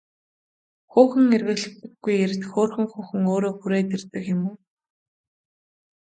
Хүүхэн эргүүлдэггүй эрд хөөрхөн хүүхэн өөрөө хүрээд ирдэг юм уу?